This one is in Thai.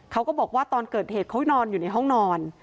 เขาก็บอกว่าตอนเกิดเหตุเขานอนอยู่ในห้องนอน